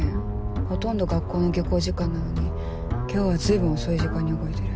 ほとんど学校の下校時間なのに今日はずいぶん遅い時間に動いてる。